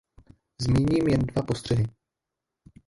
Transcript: Zmíním jen dva postřehy.